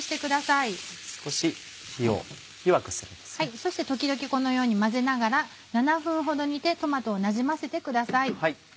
そして時々このように混ぜながら７分ほど煮てトマトをなじませてください。